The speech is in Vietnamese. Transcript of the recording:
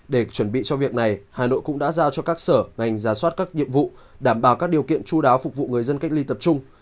để chuẩn bị cho việc này hà nội cũng đã giao cho các sở ngành giả soát các nhiệm vụ đảm bảo các điều kiện chú đáo phục vụ người dân cách ly tập trung